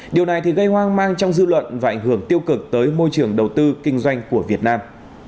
điều này gây hoang mang trong dư luận và ảnh hưởng tiêu cực tới môi trường đầu tư kinh doanh của việt nam